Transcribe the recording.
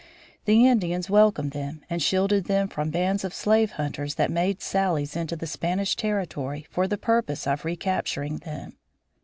The Indians welcomed them and shielded them from bands of slave hunters that made sallies into the Spanish territory for the purpose of recapturing them.